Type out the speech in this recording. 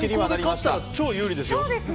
先攻で勝ったら超有利ですよ。